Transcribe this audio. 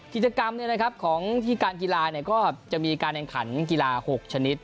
กิจกรรมของที่การกีฬาก็จะมีการแข่งขันกีฬา๖ชนิด